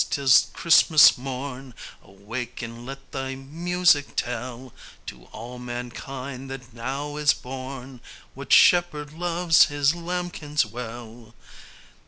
't is Christmas morn Awake and let thy music tell To all mankind that now is born What Shepherd loves His lambkins well!"